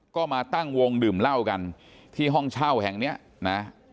ก็มาตั้งวงดื่มเหล้ากันที่ห้องเช่าแห่งเนี้ยนะ